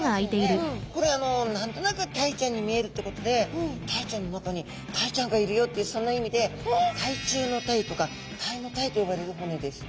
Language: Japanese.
これ何となくタイちゃんに見えるってことでタイちゃんの中にタイちゃんがいるよってそんな意味で鯛中鯛とか鯛の鯛と呼ばれる骨です。